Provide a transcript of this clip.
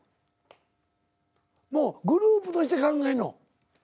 もうグループとして考えんの？